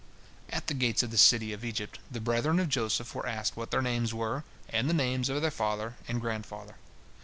" At the gates of the city of Egypt, the brethren of Joseph were asked what their names were, and the names of their father and grandfather.